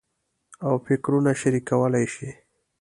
او فکرونه شریکولای شي.